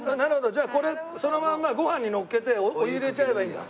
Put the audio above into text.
じゃあこれそのまんまご飯にのっけてお湯入れちゃえばいいんだ。